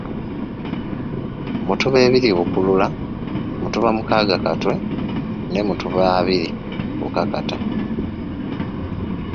Mutuba ebiri Bukulula, mutuba mukaaga Katwe ne mutuba abiri Bukakata.